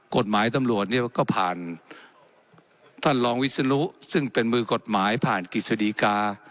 กฎหมายตำรวจเนี่ยก็ผ่านท่านรองวิศนุซึ่งเป็นมือกฎหมายผ่านกฤษฎีกา